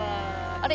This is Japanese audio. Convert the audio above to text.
あれ？